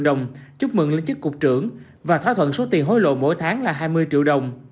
đồng chúc mừng lên chức cục trưởng và thỏa thuận số tiền hối lộ mỗi tháng là hai mươi triệu đồng